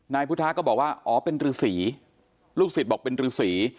นายพุทธะก็บอกว่าอ๋อเป็นฤษีลูกศิษย์บอกเป็นรือสี